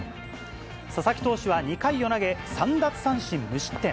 佐々木投手は２回を投げ、３奪三振無失点。